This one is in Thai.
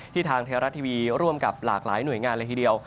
ทางไทยรัฐทีวีร่วมกับหลากหลายหน่วยงานเลยทีเดียว